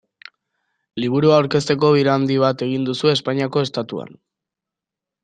Liburua aurkezteko bira handi bat egin duzu Espainiako Estatuan.